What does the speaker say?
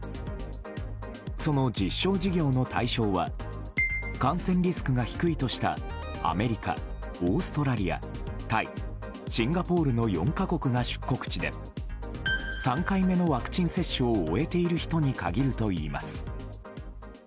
その実証事業の対象は感染リスクが低いとしたアメリカ、オーストラリアタイ、シンガポールの４か国が出国地で３回目のワクチン接種を終えている人に限るといいます。